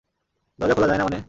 দরজা খোলা যায় না মানে?